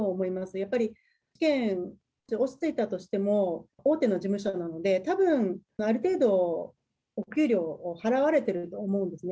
やっぱり、試験に落ちていたとしても、大手の事務所なので、たぶん、ある程度お給料は払われていると思うんですね。